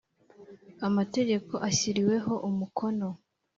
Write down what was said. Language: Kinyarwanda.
Amategeko ashyiriweho umukono .